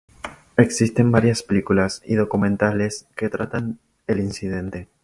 Existen varias películas y documentales que tratan el incidente.